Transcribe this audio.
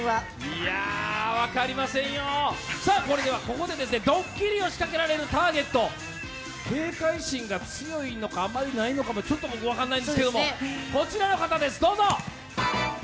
いやあ分かりませんよ、それではここでドッキリを仕掛けられるターゲット、警戒心が強いのか、あまりないのかも僕、分からないんですが、こちらの方です。